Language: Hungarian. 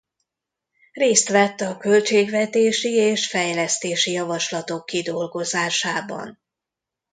Részt vett a költségvetési és fejlesztési javaslatok kidolgozásában.